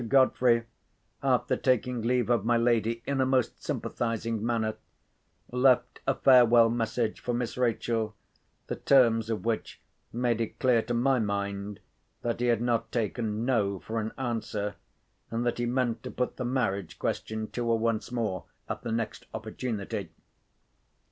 Godfrey, after taking leave of my lady, in a most sympathising manner, left a farewell message for Miss Rachel, the terms of which made it clear to my mind that he had not taken No for an answer, and that he meant to put the marriage question to her once more, at the next opportunity.